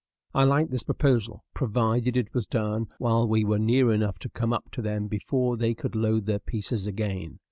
I liked this proposal, provided it was done while we were near enough to come up to them before they could load their pieces again.